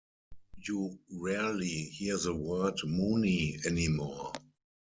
You rarely hear the word 'Moonie' anymore.